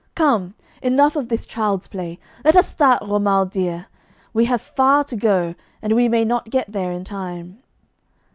'Come, enough of this child's play! Let us start, Romuald, dear. We have far to go, and we may not get there in time.